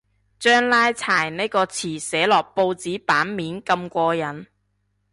將拉柴呢個詞寫落報紙版面咁過癮